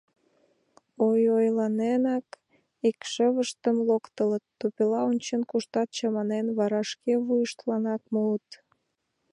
Ойойланенак, икшывыштым локтылыт, тупела ончен куштат, чаманен, вара шке вуйыштланак муыт.